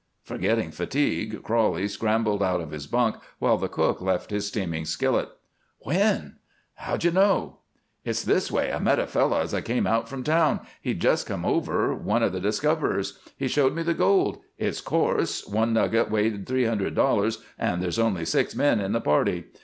Forgetting fatigue, Crowley scrambled out of his bunk while the cook left his steaming skillet. "When?" "How d'you know?" "It's this way. I met a fellow as I came out from town he'd just come over one of the discoverers. He showed me the gold. It's coarse; one nugget weighed three hundred dollars and there's only six men in the party.